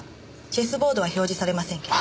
チェスボードは表示されませんけど。